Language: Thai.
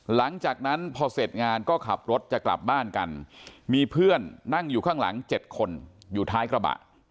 หลังจากนั้นพอเสร็จงานก็ขับรถจะกลับบ้านกันมีเพื่อนนั่งอยู่ข้างหลัง๗คนอยู่ท้ายกระบะ